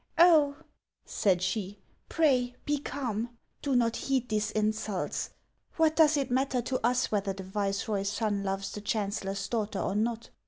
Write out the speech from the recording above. " Oh !" said she, " pray be calm ; do not heed these in sults. Wha,t does it matter to us whether the viceroy's son loves the chancellor's daughter or not?"